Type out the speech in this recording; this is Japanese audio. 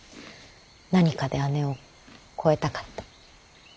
何かで姉を超えたかった。